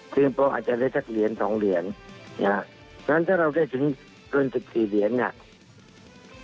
เพราะอาจจะได้จากเหรียญ๒เหรียญถ้าเราได้ถึงเกิน๑๔เหรียญ